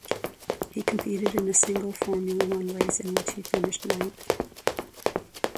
He competed in a single Formula One race in which he finished ninth.